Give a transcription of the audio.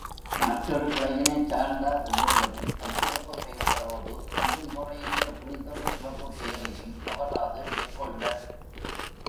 மற்றொரு கிளையினைச் சார்ந்தார் ஒவ்வொருவரும் அச்சிறப்புப் பெயர்களோடு, இரும்பொறை என்ற பிறிதொரு சிறப்புப் பெயரையும் தவறாது மேற்கொள்வர்.